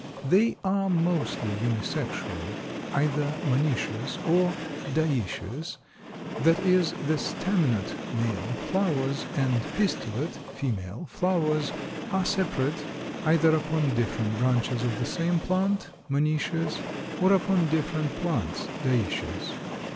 They are mostly unisexual, either monoecious or dioecious, that is the staminate (male) flowers and pistillate (female) flowers are separate, either upon different branches of the same plant (monoecious) or upon different plants (dioecious).